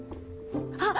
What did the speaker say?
あっ！